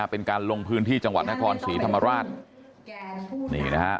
เป็นการลงพื้นที่จังหวัดนครศรีธรรมราชนี่นะฮะ